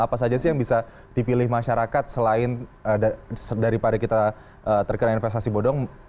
apa saja sih yang bisa dipilih masyarakat selain daripada kita terkena investasi bodong